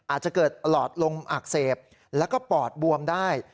อาจจะเกิดหลอดลมอักเสบแล้วก็ปอดบวมได้